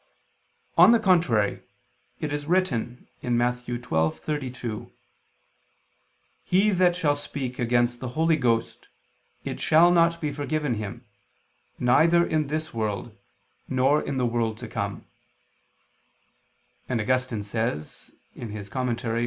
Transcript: On the contrary, It is written (Matt. 12:32): "He that shall speak against the Holy Ghost, it shall not be forgiven him, neither in this world, nor in the world to come": and Augustine says (De Serm.